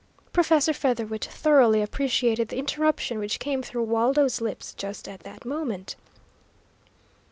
Professor Featherwit thoroughly appreciated the interruption which came through Waldo's lips just at that moment.